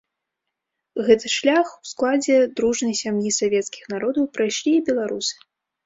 Гэты шлях у складзе дружнай сям'і савецкіх народаў прайшлі і беларусы.